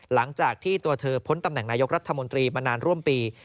หลังจากที่ตัวเธอพ้นตำแหน่งนายกรัฐมนตรีมานานร่วมปี